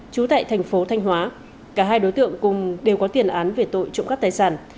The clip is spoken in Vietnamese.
trú tại thành phố thanh hóa cả hai đối tượng cùng đều có tiền án về tội trộm cắp tài sản